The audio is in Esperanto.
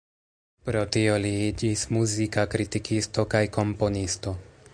Pro tio li iĝis muzika kritikisto kaj komponisto.